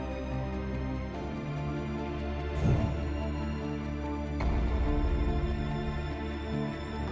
mama mohon jangan tinggalin mama nek